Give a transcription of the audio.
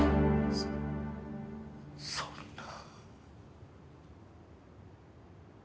そそんな。